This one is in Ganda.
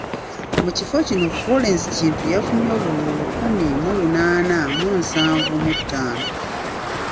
Mu kifo kino Florence Kintu yafunye obululu lukumi mu lunaana mu nsanvu mu ttaano